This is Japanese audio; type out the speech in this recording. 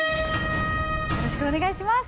よろしくお願いします。